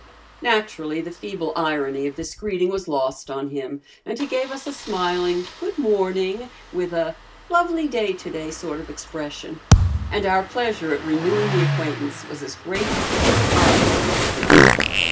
Naturally the feeble irony of this greeting was lost on him and he gave us a smiling "good morning," with a "lovely day today" sort of expression, and our pleasure at renewing the acquaintance was as great as the surprise he had given us.